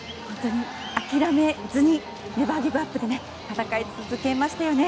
諦めずにネバーギブアップで戦い続けましたよね。